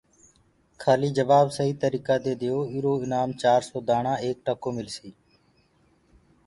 کيآليٚ جبآب سهيٚ تريٚڪآ دي دئيو ايٚرو ايٚنآم چآرسو دآڻآ ايڪ ٽڪو ملسيٚ